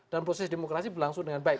dan proses demokrasi berlangsung dengan baik